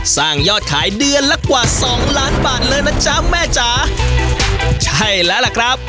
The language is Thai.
สร้างยอดขายเดือนละกว่าสองล้านบาทเลยนะจ๊ะแม่จ๋าใช่แล้วล่ะครับ